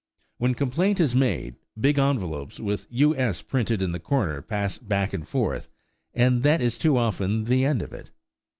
When complaint is made, big envelopes with "U. S." printed in the corner pass back and forth and that is too often the end of it!